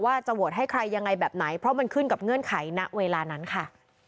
ว่าจะโหวตให้ใครยังไงแบบไหนเพราะมันขึ้นกับเงื่อนไขณเวลานั้นค่ะ